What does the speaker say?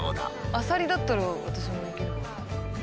アサリだったら私もいける。